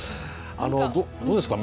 どうですか？